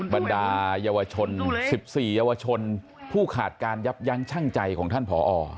บรรดาเยาวชน๑๔เยาวชนผู้ขาดการยับยั้งชั่งใจของท่านผอ